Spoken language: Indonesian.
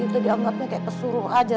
itu dianggapnya kayak kesuruh aja